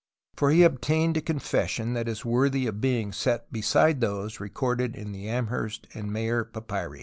for he obtained a confession tliat is worthy of being set beside those recorded in the Amherst and Mayer papyri.